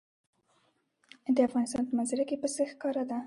د افغانستان په منظره کې پسه ښکاره ده.